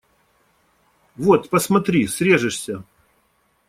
Вот, посмотри, срежешься!..